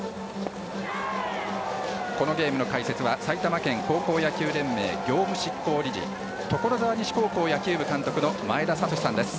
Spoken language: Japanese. このゲームの解説は埼玉県高校野球連盟業務執行理事所沢西高校野球部監督の前田聡さんです。